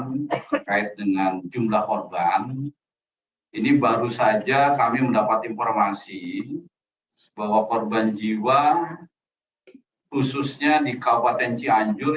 terkait dengan jumlah korban ini baru saja kami mendapat informasi bahwa korban jiwa khususnya di kabupaten cianjur